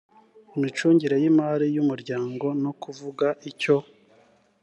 imicungire y imari y umuryango no kuvuga icyo